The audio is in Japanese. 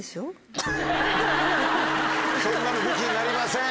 そんなの武器になりません。